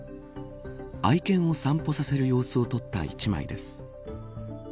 愛犬を散歩させる様子を撮った一枚です。